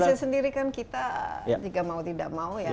indonesia sendiri kan kita jika mau tidak mau ya harus ya